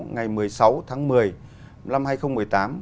ngày một mươi sáu tháng một mươi năm hai nghìn một mươi tám